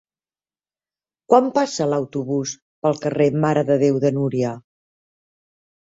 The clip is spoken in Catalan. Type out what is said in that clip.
Quan passa l'autobús pel carrer Mare de Déu de Núria?